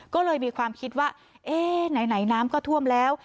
ก็เลยมีความคิดว่าเอ๊ะไหนน้ำก็ท่วมแล้ว